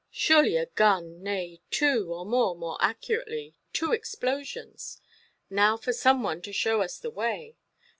Surely a gun, nay, two, or, more accurately, two explosions; now for some one to show us the way.